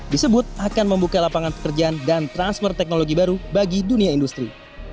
disebut akan membuka lapangan pekerjaan dan transfer teknologi baru bagi dunia industri